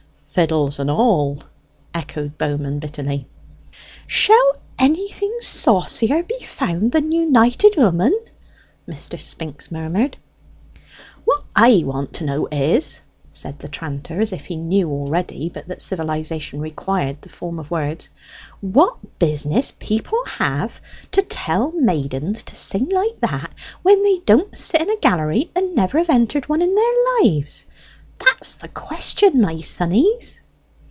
"Fiddles and all!" echoed Bowman bitterly. "Shall anything saucier be found than united 'ooman?" Mr. Spinks murmured. "What I want to know is," said the tranter (as if he knew already, but that civilization required the form of words), "what business people have to tell maidens to sing like that when they don't sit in a gallery, and never have entered one in their lives? That's the question, my sonnies."